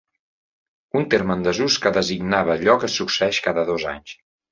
Un terme en desús que designava allò que succeeix cada dos anys.